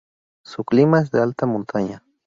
Su clima es de alta montaña.